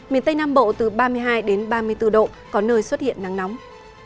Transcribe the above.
miền tây nam bộ từ ba mươi hai ba mươi bốn độ có nơi xuất hiện nắng nóng